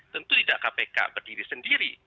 tentu tidak kpk berdiri sendiri